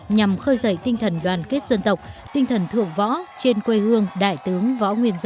nhằm khơi dậy tinh thần đoàn kết dân tộc tinh thần thượng võ trên quê hương đại tướng võ nguyên giáp